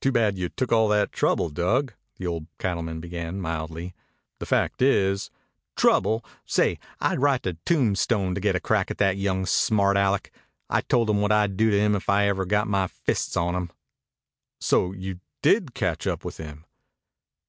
"Too bad you took all that trouble, Dug," the old cattleman began mildly. "The fact is " "Trouble. Say, I'd ride to Tombstone to get a crack at that young smart Aleck. I told him what I'd do to him if I ever got my fists on him." "So you did catch up with him."